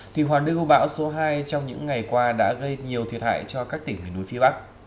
thì hoàn lưu bão số hai trong những ngày qua đã gây nhiều thiệt hại cho các tỉnh hành núi phía bắc